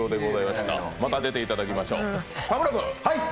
また出ていただきましょう。